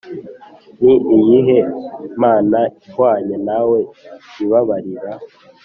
Ni iyihe mana ihwanye nawe ibabarira